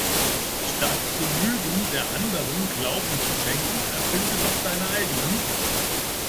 Statt den Lügen der Anderen Glauben zu schenken erfinde doch deine eigenen.